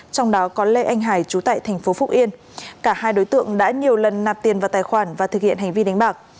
trong đó có lê anh hải trú tại tp phúc yên cả hai đối tượng đã nhiều lần nạp tiền vào tài khoản và thực hiện hành vi đánh bạc